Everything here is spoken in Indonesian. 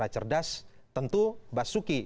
cerdas tentu basuki